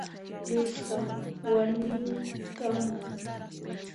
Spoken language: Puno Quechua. Luisqa warmiyoqmi kapun